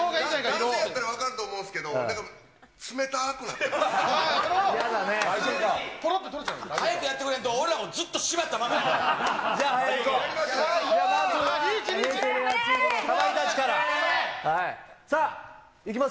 男性やったら分かると思うんですけど、なんか、冷たーくなってます。